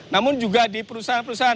namun juga di perusahaan perusahaan